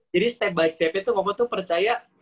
jadi step by step nya tuh koko tuh percaya